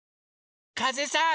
かぜさん！